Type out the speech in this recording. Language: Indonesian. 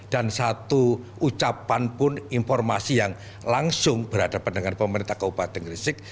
dan satu ucapan pun informasi yang langsung berhadapan dengan pemerintah keupatan gresik